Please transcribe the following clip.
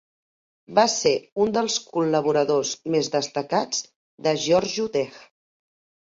Va ser un dels col·laboradors més destacats de Gheorghiu-Dej.